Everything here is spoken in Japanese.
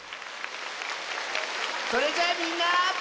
それじゃあみんな。